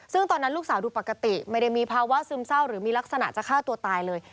ซึ่งตอนนั้นลูกสาวดูปกติไม่ได้มีภาวะซึมเศร้าหรือมีลักษณะจะฆ่าตัวตายเลย